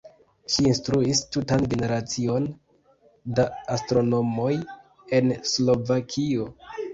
Ŝi instruis tutan generacion da astronomoj en Slovakio.